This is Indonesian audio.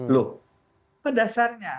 loh apa dasarnya